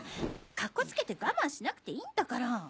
カッコつけて我慢しなくていいんだから。